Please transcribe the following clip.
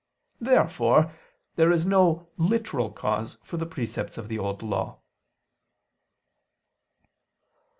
Therefore there is no literal cause for the precepts of the Old Law.